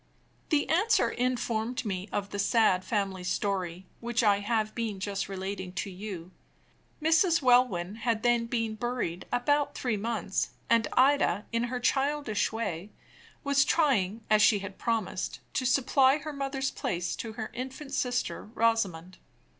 The answer informed me of the sad family story, which I have been just relating to you. Mrs. Welwyn had then been buried about three months; and Ida, in her childish way, was trying, as she had promised, to supply her mother's place to her infant sister Rosamond.